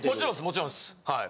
もちろんですはい。